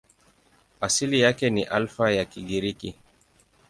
Asili yake ni Alfa ya Kigiriki.